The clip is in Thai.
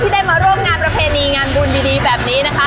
ได้มาร่วมงานประเพณีงานบุญดีแบบนี้นะคะ